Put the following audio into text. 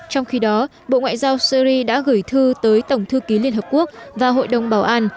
trong khi đó bộ ngoại giao syri đã gửi thư tới tổng thư ký liên hợp quốc và hội đồng bảo an